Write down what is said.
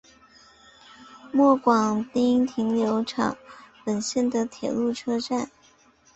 末广町停留场本线的铁路车站。